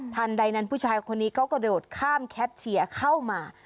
ใดนั้นผู้ชายคนนี้ก็กระโดดข้ามแคทเชียร์เข้ามา